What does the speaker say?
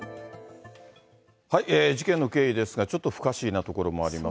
事件の経緯ですが、ちょっと不可思議なところもあります。